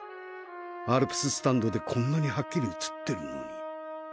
アルプススタンドでこんなにハッキリ映ってるのに。